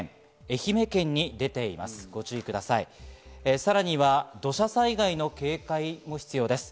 さらには土砂災害の警戒も必要です。